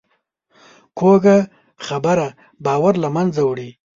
کوږه خبره باور له منځه وړي